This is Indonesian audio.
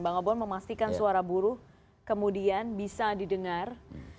bang obon memastikan suara buruh kemudian bisa didengar